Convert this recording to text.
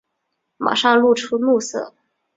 马上露出怒色